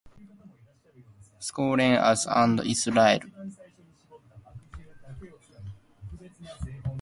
Scholem Asch and Israel Zangwill, and the artist Maurycy Gottlieb, are notable examples.